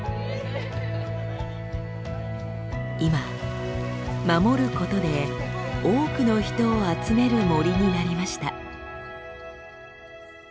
今守ることで多くの人を集める森になりました。